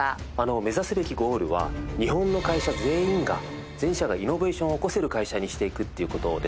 目指すべきゴールは日本の会社全員が全社がイノベーションを起こせる会社にしていくっていう事です。